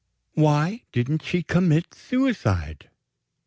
Why didn't she commit suicide?"